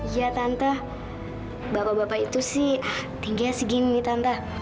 iya tante bapak bapak itu sih tingginya segini tante